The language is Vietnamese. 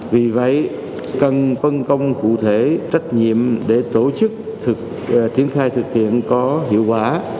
vì vậy cần phân công cụ thể trách nhiệm để tổ chức triển khai thực hiện có hiệu quả